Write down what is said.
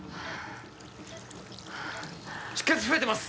出血増えてます